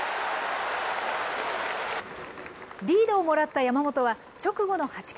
リードをもらった山本は、直後の８回。